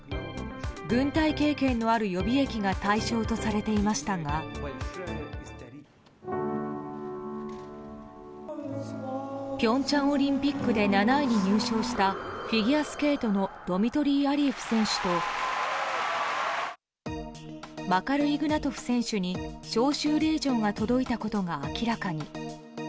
軍隊経験のある予備役が対象とされていましたが平昌オリンピックで７位に入賞したフィギュアスケートのドミトリー・アリエフ選手とマカル・イグナトフ選手に招集令状が届いたことが明らかに。